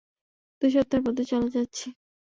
দুই সপ্তাহের মধ্যে চলে যাচ্ছি।